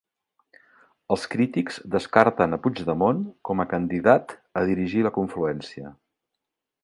Els crítics descarten a Puigdemont com a candidat a dirigir la confluència